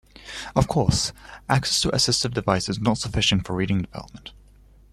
Of course, access to assistive devices is not sufficient for reading development.